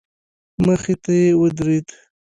مخې ته يې ودرېد.